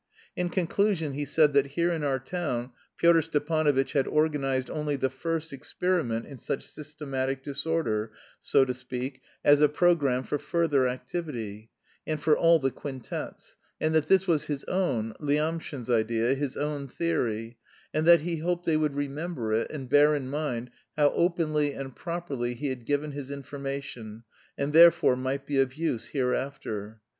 In conclusion, he said that here in our town Pyotr Stepanovitch had organised only the first experiment in such systematic disorder, so to speak, as a programme for further activity, and for all the quintets and that this was his own (Lyamshin's) idea, his own theory, "and that he hoped they would remember it and bear in mind how openly and properly he had given his information, and therefore might be of use hereafter."